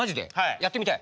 やってみたい。